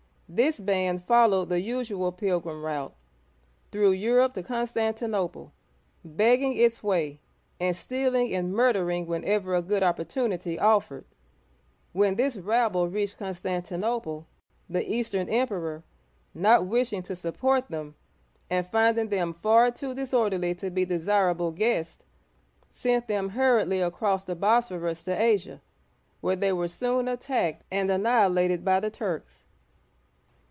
This band followed the usual pil grim route, through Europe to Constantinople, begging its way, and stealing and murdering whenever a good opportu nity offered. When this rabble reached Constantinople, the Eastern Emperor, not wishing to support them, and finding them far too disorderly to be desirable guests, sent them hurriedly across the Bos'phorus to Asia, where they were soon attacked and annihilated by the Turks.